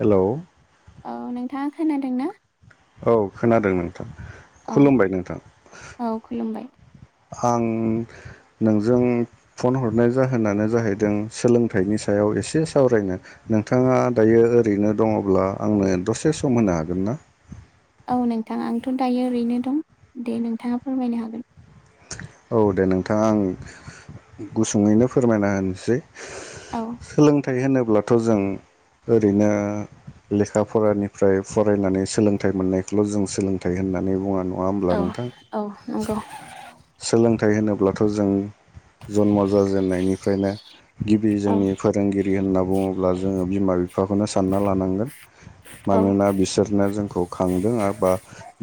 Hello औ नोंथाङा खोनादों ना औ खोनादों नोंथां, औ खुलुमबाय नोंथां औ खुलुमबाय आं नोंजों फन हरनाय जाहोनानो जाहैदों सोलोंथाइनि सायाव याव एसे सावरायनो नोंथाङा दायो ओरैनो दङ'ब्ला आंनो दसे सम होनो हागोन ना? [unintelligible] औ नोंथां आंथ' दायो ओरैनो दं, दे नोंथाङा फोरमायनो हागोन औ दे नोंथाङा आं गुसुङैनो फोरमायना होनोसै औ सोलोंथाइ होनोब्लाथ' जों ओरैनो लेखा फरानिफ्राय फरायनानै सोलोंथाइ मोननायखौल' जों सोलोंथाइ होन होननानै बुङा नङा होमब्ला औ नोंथां औ नंगौ सोलोंथाइ होनोब्लाथ' जों जन्म' जाजेननायनिफ्रायनो गिबि औ जोंनि फोरोंगिरि होनना बुङोब्ला जोङो बिमा-बिफाखौनो सानना लानांगोन औ मानोना बिसोरनो जोंखौ खांदों बा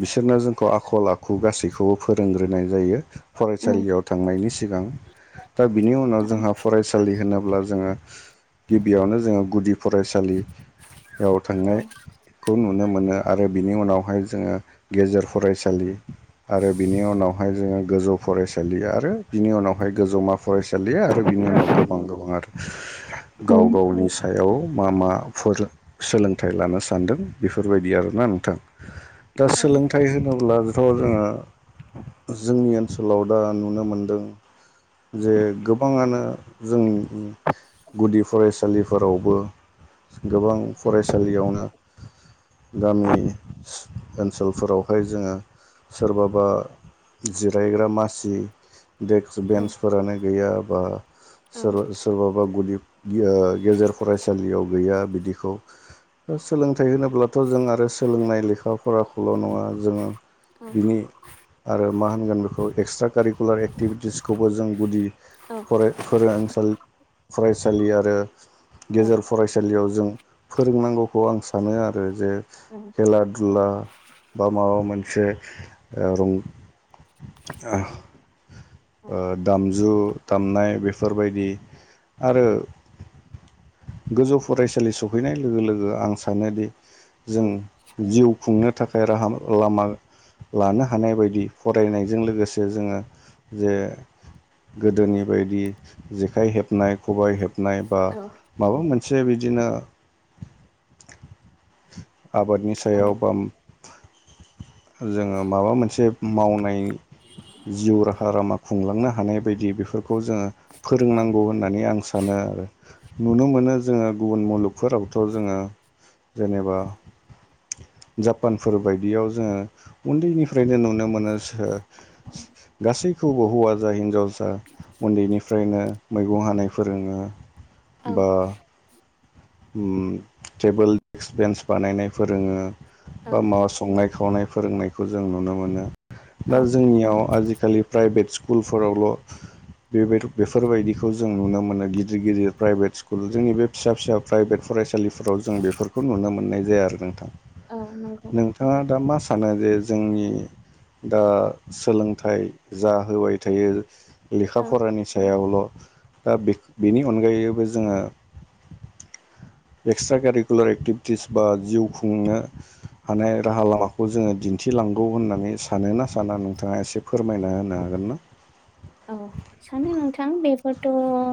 बिसोरनो जोंखौ आखल-आखु गासै खौबो फोरोंग्रोनाय जायो उम फरायसालियाव थांनायनि सिगां दा बिनि उनाव औ जोंहा फरायसालि होनाब ब्ला जोङो गिबियावनो जोङो गुदि फरायसालियाव औ थांनायखौ नु नो मोनो आरो बिनि उनावहाय जोङो गेजेर फरायसालि आरो बिनि उनावहाय जोङो गोजौ फरायसालि आरो बिनि उनावहाय गोजौमाफ फरायसालि आरो बिनि उनाव गोबां गोबां आरो गाव उम गावनि सायाव मा मा फोर सोलोंथाइ लानो सानदों बेफोरबायदि आरोना नोंथां दा औ सोलोंथाइ होनोब्लाथ' जोङो जोंनिओन सोलाव दा नुनो मोनदों जे गोबाङानो जोंनि गुदि फरायसालिफोरावबो गोबां फरायसालियावनो गामि ओनसोलफोरावहाय जोङो सोरबाबा जिरायग्रा मासि देक्स औ बेन्सफोरानो गैया बा औ सोर- सोरबाबा गुदि ओ गेजेर फरायसालियाव गैया बिदिखौ सोलोंथाइ होनोब्लाथ' जों आरो सोलोंनाय लेखा फराखौल' नङा जोङो औ बिनि आरो मा होनगोन बे खौ एक्सट्रा कारिकुलार एक्टिभिटिसखौबो जों गुदि औ फराय फोरोंसालि फरायसालि आरो गेजेर फरायसालियाव जों फोरोंनांगौखौ आं सानो आरो जे उम औ खेला दुला बा माबा मोन से ओ रं ओ दाम जु दामनाय बेफोरबायदि आरो गोजौ फरायसालि सफैनाय लोगो लोगो आं सानोदि जों जिउ खुंनो थाखाय राहा लामा लानो हानाय बायदि फर फरायनायजों लोगोसे जोङो जे गोदोनि बायदि जेखाइ हेबनाय खबाइ हेब नाय बा औ माबा मोनसे बिदिनो आबादनि सायाव बा जोङो माबा मोनसे मावनाय जिउ राहा लामा खुंलांनो हाग हानाय बायदि बेफोरखौ जोङो फोरोंनांगौ होननानै आं सानो आरो। नुनो मोनो जोङो गुबुन मुलुगफोरावथ' जोङो जेनेबा जापानफोर बायदियाव जोङो उन्दैनिफ्रायनो नुनो मोनो सो गासैखौबो हौवा जा हिनजाव जा उन्दैनिफ्रायनो मैगं हानाय फोरोङो बा उम टेबोल देक्स बेन्स बानायनाय फोरोङो औ बा माबा संनाय खावनाय फोरोंनायखौ जों नुनो मोनो दा औ जोंनियाव आजि खालि प्राइभेट स्कुलफोरावल' बे बेफोरबायदिखौ जों नुनो मोनो गिदिर गिदिर प्राइभेट स्कुल जोंनि बे फिसा फिसा प्राइभेट फरायसालिफोराव जों बेफोरखौ नुनो मोननाय जाया आरो नोंथां। औ नंगौ नोंथाङा दा मा सानो जे जोंनि दा सोलोंथाइ जा होबाय थायो लेखा औ फरानि सायावल' दा बेख बेनि अनगायैबो जोङो एक्सट्रा कारिकुलार एक्टिभिटिस बा जिउ खुंनो हानाय राहा लामाखौ जोङो दिन्थिलांगौ होननानै सानो ना साना नोंथाङा एसे फोरमायना होनो हाग गोनना औ सानो नोंथां बेफोरथ' ओ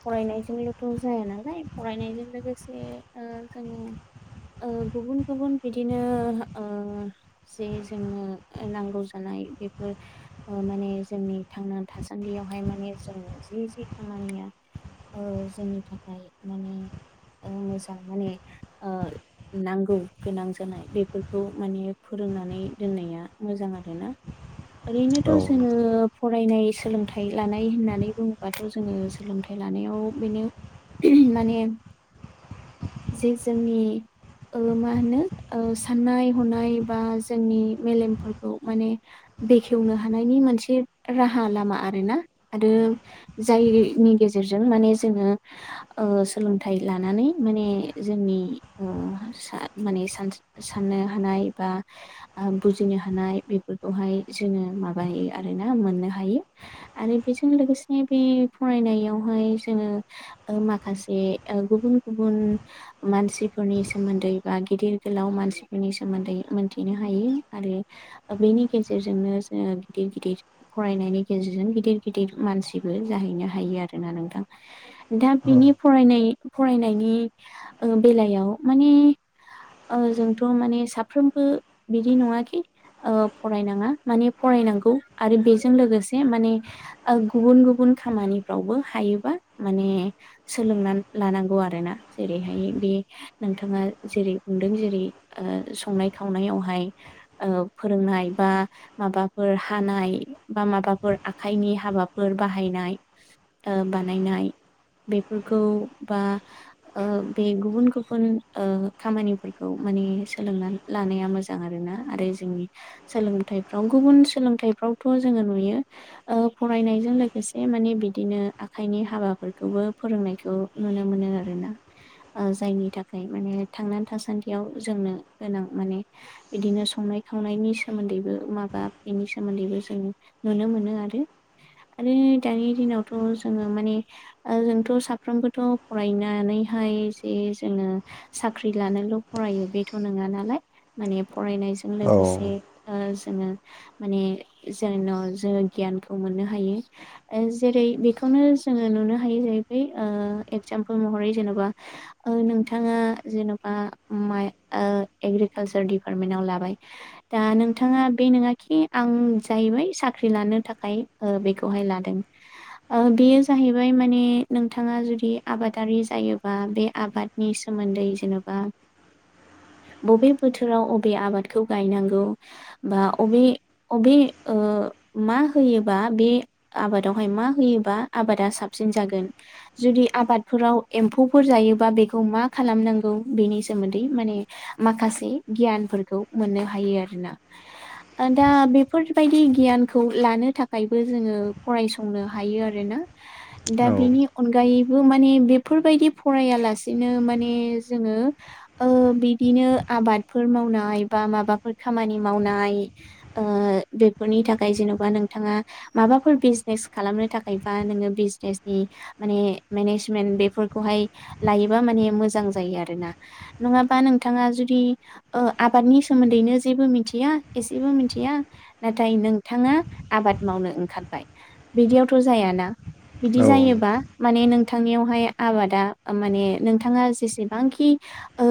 फरायनायजोंल' थ' जाया नालाय फरायनायजों लोगोसे ओ जोङो ओ गुबुन गुबुन बिदिनो ओ जे जोंनो नांगौ जानाय मानाय बेफोर ओ माने जोंनि थांना थासान्दियावहाय माने जों जि जि खामानिया ओ जोंनि थाखाय माने ओ मोजां माने ओ नांगौ गोनां जानाय बेफोरखौ माने फोर रोंनानै दोननाया मोजां आरोना। [inaudible] ओरैनोथ' जोङो नोंथां फरायनाय सोलोंथाइ लानाय होननानै बुङोबाथ' जोङो सोलोंथाइ लानायाव बेनो माने जे जोंनि ओलोमा होनो साननाय हनाय बा जोंनि मेलेमफोरखौ माने बेखेवनो हानायनि मोनसे राहा लामा आरोना आरो जायनि गेजेरजों माने जोङो ओ सोलोंथाइ लानानै माने जोंनि ओ सा माने सानथ सान हानाय बा बुजिनो हानाय बेफोरखौहाय जोङो माबायो आरो। ना मोननो हायो आरो बेजों लोगोसे बे फरायनायावहाय जोङो माखासे गुबुन गुबुन मानसिफोरनि सोमोन्दै बा गिदिर गोलाव मानसिफोरनि सोमोन्दै मोनथिनो हायो आरो बेनि गेजेरजोंनो जो गिदिर- गिदिर फरायनायनि गेजेरजों गिदिर-गिदिर मानसिबो जाहैनो हायो आरोना नोंथां दा बिनि फरायनाय फरायनायनि बेलायाव माने जोंथ' माने साफ्रोमबो बिदि नङाखि फरायनाङा माने फरायनांगौ आरो बेजों लोगोसे माने गुबुन गुबुन खामानिफ्रावबो हायोबा माने सोलोंनानै लानांगौ आरोना जेरैहाय बे नोंथाङा जेरै बुंदों जेरै ओ संनाय खावनायावहाय फोरोंनाय बा माबाफोर हा हानाय बा माबाफोर आखाइनि हाबाफोर बाहायनाय ओ बानायनाय बेफोरखौ बा ओ बे गुबुन गुबुन ओ खामानिफोरखौ माने सोलोंना लानाया मोजां आरोना आरो जोंनि सोलोंथाइफ्राव गुबुन सोलों सोलोंथाइफ्रावथ' जोङो नुयो ओ फरायनायजों लोगोसे माने बिदिनो आखाइनि हाबाफोरखौ खौबो फोरोंनायखौ नुनो मोनो आरोना ओ जायनि थाखाय माने थांनानै थासान्दियाव जोंनो गोनां माने बिदिनो संनाय खावनायनि सोमोन्दैबो माबा बेनि सोमोन्दैबो जों नुनो मोनो आरो आरो दानि दिनावथ' जोङो माने जोंथ' साफ्रोमबोथ' फरायनानै हाय जे जोङो साख्रि लानोल' फरायो बेथ' नङा नालाय माने फरायनाय बेजों औ लोगोसे जोङो माने जेन' जोङो गियानखौ मोननो हायो जेरै बेखौनो जोङो नुनो हायो जाहैबाय ओ इगजामपोल महरै जेनेबा ओ नोंथाङा जेन'बा माइ ओ एग्रिकालसार दिपार्टमेन्टाव लाबाय दा नोंथाङा बे नङाखि आं जाहैबाय साख्रि लानो थाखाय ओ बेखौहाय लादों ओ बेयो जाहैबाय माने नोंथाङा जुदि आबादारि जायोबा बे आबादनि सोमोन्दै जेन'बा [inaudible] बबे बोथोराव बबे आबादखौ गायनांगौ बा अबे अबे ओ मा होयोबा बे आबादावहाय मा होयोबा आबादा साब साबसिन जागोन जुदि आबादफोराव एम्फौफोर जायोबा बेखौ मा खालामनांगौ बेनि स सोमोन्दै माने माखासे गियानफोरखौ मोननो हायो आरोना। दा बेफोरबायदि गियानखौ लानो थाखायबो जोङो फरायसंनो हायो आरोना। दा बिनि औ अनगायै बो माने बेफोरबायदि फरायालासेनो माने जोङो ओ बिदिनो आबादफोर मावनाय बा माबाफोर खामानि मावनाय ओ बेफोरनि थाखाय जेन'बा नोंथाङा माबाफोर बिजनेस खालामनो थाखाय बा बिजनेसनि माने मेनेजमेन्ट बेफोरखौहाय लायोबा माने मोजां जायो आरो नङाबा नोंथाङा जुदि ओ आबादनि सोमोन्दैनो जेबो मिथिया एसेबो मिथिया नाथाय नोंथाङा आबाद मावनो ओंखारबाय बिदियावथ' जायाना। बिदि जायोबा नोंथां माने नों थां नोंथांनियावहाय आबादा माने नोंथाङा जेसेबांखि ओ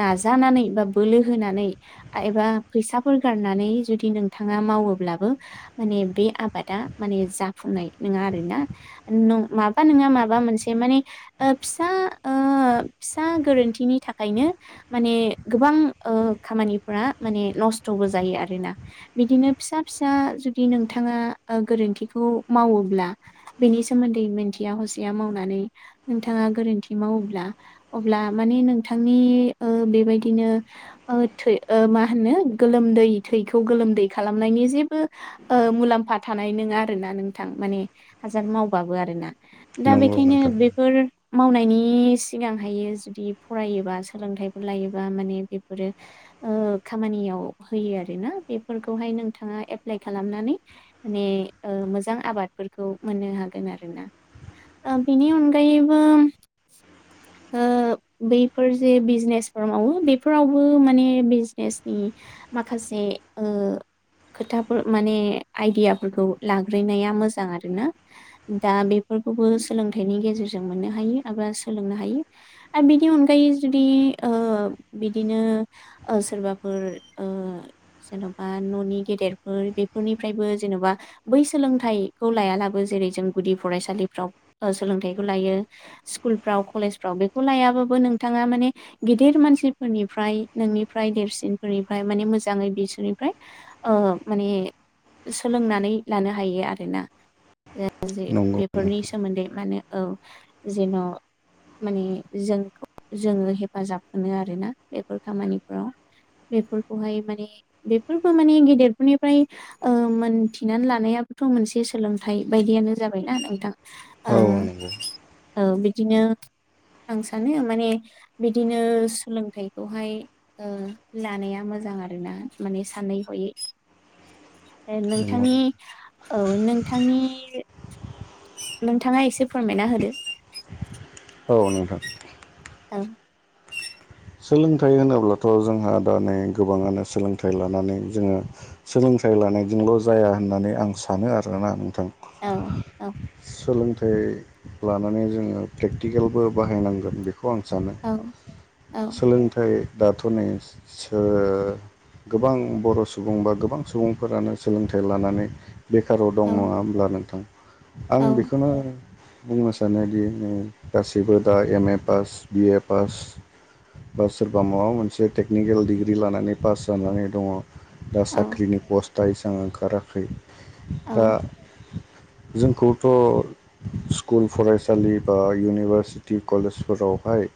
नाजानानै बा बोलो होनानै एबा फैसाफोर गारनानै जुदि नोंथाङा मावोब्लाबो माने बे आबादा माने जाफुंनाय नोङा आरोना न माबा नङा माबा मोनसे माने ओ फिसा ओ फिसा सा गोरोन्थिनि थाखायनो माने गोबां ओ खामानिफोरा माने नस्थ थ'बो जायो आरोना बिदिनो फिसा फिसा जुदि नोंथाङा गोरोन्थिखौ मावो ब्ला बेनि सोमोन्दै मिथिया हसेया मावनानै नोंथाङा गोरोन्थि मावोब्ला अब्ला माने नोंथांनि ओ बेबायदिनो ओ थै ओ मा होनो गोलोमदै थैखौ गोलोमदै खालामनायनि जेबो ओ मुलाम्फा थानाय नङा आरोना नोंथां माने हाजार मावबाबो आरोना दा नंगौ बेखायनो नोंथां बेफोर मावनायनि सिगांहायो जुदि फरायोबा सोलोंथाइफोर लायोबा माने बेफोरो ओ खामानियाव होयो आरोना बेफोरखौहाय नोंथाङा एप्लाइ खालामनानै माने ओ मोजां आबाद फोर मोननो हागोन आरोना बिनि अनगायैबो ओ बैफोर जे बिजनेसफोर मावो बेफोरावबो माने बिजनेसनि माखासे ओ खोथाफोर माने आइडियाफोरखौ लाग्रोननाया मोजां आरोना दा बेफोर फोरखौबो सोलोंथाइनि गेजेरजों मोननो हायो एबा सोलोंनो हायो आरो बिनि अनगायै जुदि ओ बिदिनो सोरबाफोर ओ [inaudible] जेन'बा न'नि गेदेरफोर बेफोरनिफ्रायबो जेन'बा बै सोलोंथाइखौ लायालाबो जेरै जों गुदि फरायसालिफ्राव सोलोंथाइखौ लायो, स्कुलफ्राव कलेजफ्राव बेखौ लायाबाबो बो नोंथाङा मान गेदेर मानसिफोरनिफ्राय नोंनिफ्राय देरसिनफोरनि फ्राय माने मोजाङै बिसोरनिफ्राय ओ माने सोलोंनानै लानो हायो आरोना। ज नंगौ बेफोरनि सोमोन्दै माने औ जेन' माने जोंखौ जोङो हेफाजाब होनो आरोना बेफोर खामानिफोराव। [unintelligible] खौहाय माने बेफोरबो माने गेदेरफोरनिफ्राय ओ मोनथिनानै लानायाबोथ' मोनसे सोलोंथाइ बायदियानो जाबायना नोंथां। ओ औ नंग'। औ बिदिनो आं सानो माने बिदिनो सोलोंथाइखौहाय लानाया मो जां आरोना माने सानै हयै। नंगौ नोंथांनि औ नोंथांनि नोंथाङा एसे फोरमायना होदो। औ नोंथां। औ। सोलोंथाइ होनोब्लाथ' जोंहा दा नै गोबाङानो सोलोंथाइ लानानै जोङो सोलों थाइ लानायजोंल' जाया होननानै आं सानो आरोना औ नोंथां। औ सोलों थाइ लानानै जोङो प्रेक्टिकेलबो बाहायनांगोन बेखौ आं सानो। औ औ सोलोंथाइ दाथ' नै सो गोबां बर' सुबुं बा गोबां सुबुंफोरानो सोलोंथाइ लानानै बेखाराव औ दं नङा होमब्ला नोंथां? औ आं बेखोनो बुंनो सानोदि गासैबो दा M A pass, BA pass. बा सोरबा माबा मोनसे टेकनिकेल डिग्रि लानानै पास जानानै दङ। दा औ साख्रिनि पस्टआ एसबां ओंखाराखै। औ दा जोंखौथ' स्कुल फरायसालि बा इउनिभारसिटि कलेजफोरावहाय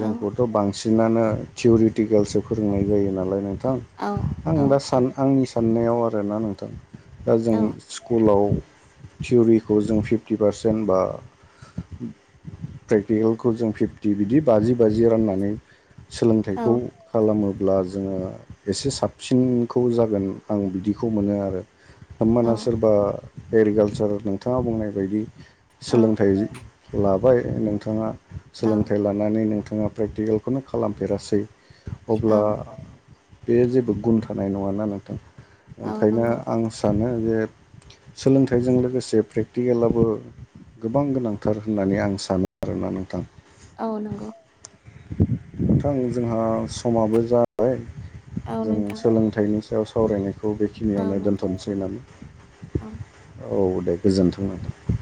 औ बांसिनानो थियरिटिकेलसो फोरोंनाय जायो नालाय नों थां। औ औ आं दा सान आंनि साननायाव आरोना नोंथां। दा जों औ स्कुलाव थियरिखौ जों फिफ्टि पारसेन्ट बा प्रेक्टिकेलखौ जों फिफ्टि बिदि बाजि बाजि राननानै सोलोंथाइखौ औ खालामो, अब्ला जोङो एसे साबसिनखौ जागोन आं बिदिखौ मोनो आरो। होमबाना सोरबा एग्रिकालसार नोंथाङा बुंनाय बायदि सोलोंथाइ लाबाय नोंथाङा औ सोलोंथाइ लानानै नोंथाङा प्रेक्टिकेलखौनो खालामफेरासै। औ अब्ला बे जेबो गुन थानाय नङाना नोंथां। औ ओंखायनो नंगौ आं सानो जे सोलोंथाइजों लोगोसे प्रेक्टिकेलाबो गोबां गोनांथार होननानै आं सानो। आरोना नोंथां। औ नंगौ। नोंथां जोंहा समाबो जाबाय। औ जों नोंथां सोलोंथाइनि याव सावरायनायखौ औ बेखिनियावनो नोंथां दोनथ'नोसै औ औ होननानै। औ दे गोजोन्थों नोंथां।